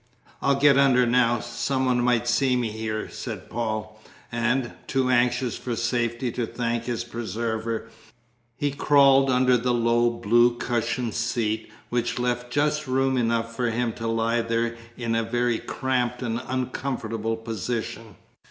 "I'll get under now; some one might see me here," said Paul; and, too anxious for safety to thank his preserver, he crawled under the low, blue cushioned seat, which left just room enough for him to lie there in a very cramped and uncomfortable position.